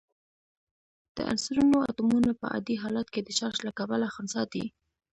د عنصرونو اتومونه په عادي حالت کې د چارج له کبله خنثی دي.